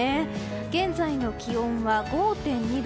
現在の気温は５．２度。